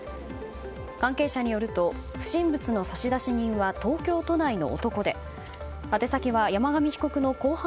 関係者によると不審物の差出人は東京都内の男で宛て先は山上被告の公判